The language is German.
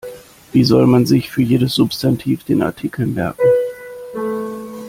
Wie soll man sich für jedes Substantiv den Artikel merken?